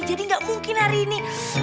jadi gak mungkin hari ini